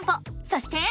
そして。